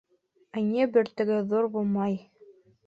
Ынйы бөртөгө ҙур булмай.